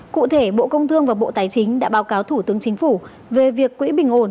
cụ thể bộ công thương và bộ tài chính đã báo cáo thủ tướng chính phủ về việc quỹ bình ổn